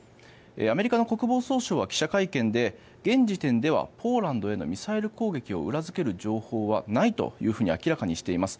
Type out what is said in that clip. アメリカの国防総省は記者会見で現時点ではポーランドへのミサイル攻撃を裏付ける情報はないと明らかにしています。